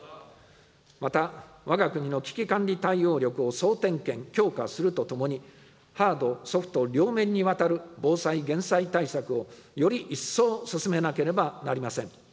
また、わが国の危機管理対応力を総点検・強化するとともに、ハード・ソフト両面にわたる防災・減災対策をより一層進めなければなりません。